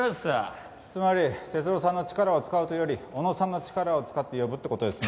つまり哲郎さんの力を使うというより小野さんの力を使って呼ぶって事ですね。